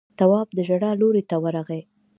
تواب د ژړا لورې ته ورغی.